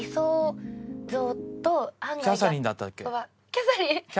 キャサリン？